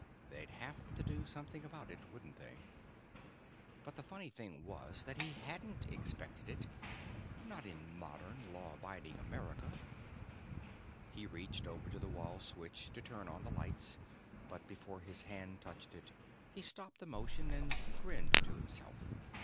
They'd have to do something about it, wouldn't they? But the funny thing was that he hadn't expected it not in modern, law abiding America. He reached over to the wall switch to turn on the lights, but before his hand touched it, he stopped the motion and grinned to himself.